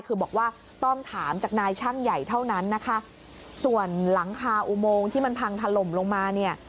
คือบอกว่าต้องถามจากนายช่างใหญ่เท่านั้นนะคะส่วนหลังคาอุโมงที่มันพังถล่มลงมาเนี่ย